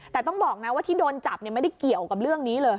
แต่ต้องบอกนะว่าที่โดนจับไม่ได้เกี่ยวกับเรื่องนี้เลย